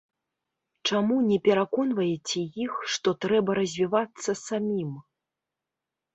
Чаму не пераконваеце іх, што трэба развівацца самім?